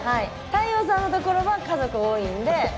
太陽さんのところは家族多いんで３本。